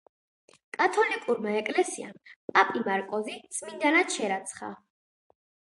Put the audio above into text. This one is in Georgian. კათოლიკურმა ეკლესიამ პაპი მარკოზი წმინდანად შერაცხა.